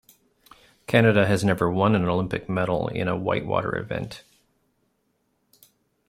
Canada has never won an Olympic medal in a whitewater event.